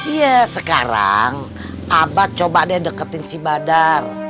ya sekarang aba coba deh deketin si badar